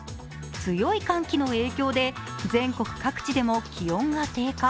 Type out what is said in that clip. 強い寒気の影響で全国各地でも気温が低下。